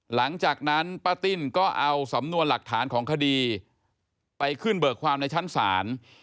หลังจากนั้นป้าติ้นก็เอาสำนวนหลักฐานของคดีไปขึ้นเบิกความในชั้นศาล